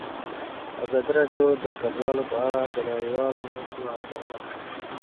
ازادي راډیو د کډوال په اړه د نړیوالو مرستو ارزونه کړې.